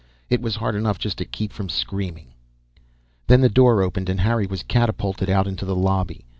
It was hard enough just to keep from screaming Then the door opened and Harry was catapulted out into the lobby.